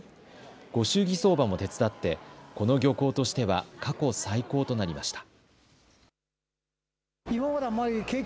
ご祝儀相場も手伝ってこの漁港としては過去最高となりました。